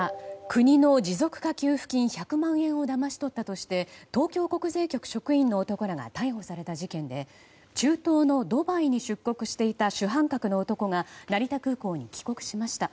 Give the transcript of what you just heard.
国の持続化給付金１００万円をだまし取ったとして東京国税局職員の男らが逮捕された事件で中東のドバイに出国していた主犯格の男が成田空港に帰国しました。